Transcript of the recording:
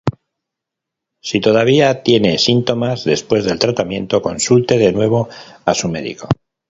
Si todavía tiene síntomas después del tratamiento, consulte de nuevo a su médico.•